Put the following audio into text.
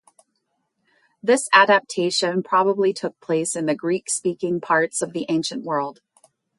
This adaptation probably took place in the Greek-speaking parts of the ancient world.